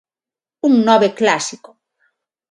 Un nove clásico.